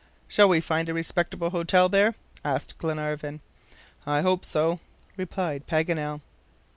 "Shall we find a respectable hotel there?" asked Glenarvan. "I hope so," replied Paganel.